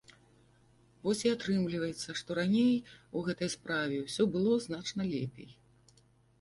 Вось і атрымліваецца, што раней у гэтай справе ўсё было значна лепей.